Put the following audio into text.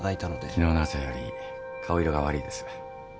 昨日の朝より顔色が悪いです。